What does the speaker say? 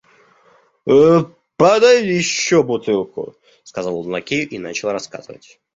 Подай еще бутылку, — сказал он лакею и начал рассказывать.